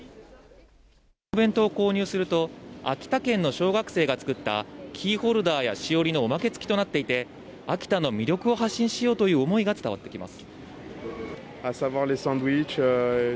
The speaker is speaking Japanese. お弁当を購入すると、秋田県の小学生が作ったキーホルダーやしおりのおまけ付きとなっていて、秋田の魅力を発信しようという思いが伝わってきます。